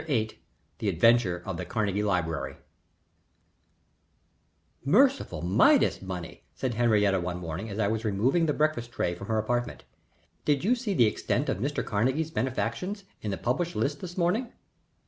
VIII THE ADVENTURE OF THE CARNEGIE LIBRARY "Merciful Midas, Bunny," said Henriette one morning as I was removing the breakfast tray from her apartment. "Did you see the extent of Mr. Carnegie's benefactions in the published list this morning?"